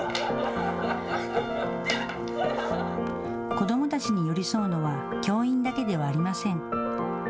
子どもたちに寄り添うのは教員だけではありません。